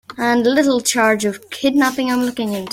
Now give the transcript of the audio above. And a little charge of kidnapping I'm looking into.